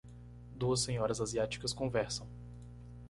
duas senhoras asiáticas conversam.